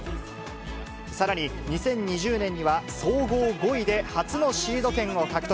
さらに２０２０年には総合５位で初のシード権を獲得。